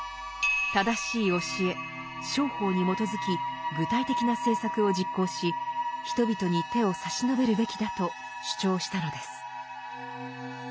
正しい教え「正法」に基づき具体的な政策を実行し人々に手を差し伸べるべきだと主張したのです。